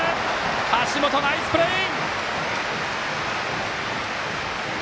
橋本、ナイスプレー！